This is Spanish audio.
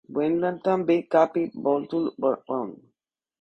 Путешествие в страну восточных иноземцев.